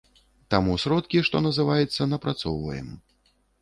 Таму сродкі, што называецца, напрацоўваем.